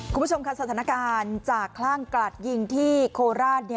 คุณผู้ชมค่ะสถานการณ์จากคลั่งกลัดยิงที่โคราช